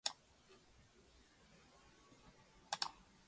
It occurs in two diastereomers, meso and the chiral "dl" forms.